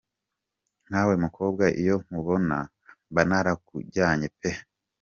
Nkawe mukobwa iyo nkubona mbanarakujyanye pe.